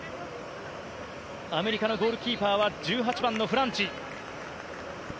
アメリカのゴールキーパーは１８番のフランチ。